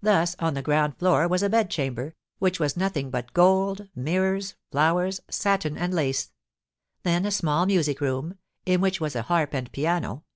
Thus on the ground floor was a bedchamber, which was nothing but gold, mirrors, flowers, satin, and lace; then a small music room, in which was a harp and piano (M.